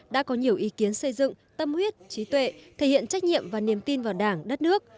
đã có nhiều ý kiến xây dựng tâm huyết trí tuệ thể hiện trách nhiệm và niềm tin vào đảng đất nước